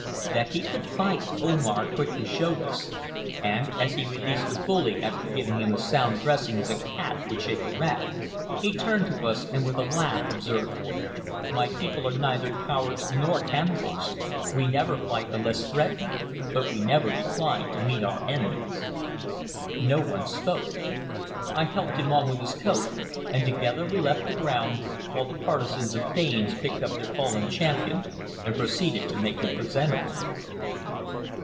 That he could fight Omar quickly showed us, and as he released the bully after giving him a sound dressing as a cat would shake a rat, he turned to us and with a laugh observed "My people are neither cowards nor cannibals. We never fight unless threatened, but we never decline to meet our enemies." No one spoke. I helped him on with his coat, and together we left the ground, while the partisans of Baynes picked up their fallen champion and proceeded to make him presentable.